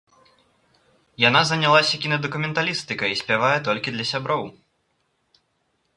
Яна занялася кінадакументалістыкай і спявае толькі для сяброў.